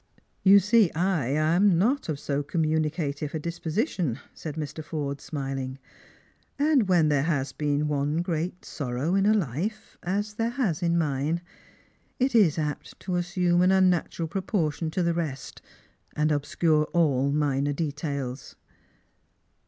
" You see I am not of so communicative a disposition," said Mr. Forde, smiling; "and when there has been one great sor row in a life, as there has in mine, it is apt to assume an un natural proportion to the rest, and obscure all minor details.